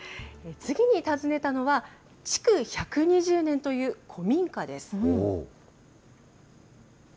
次に訪ねたのは、築１２０年という古民家です。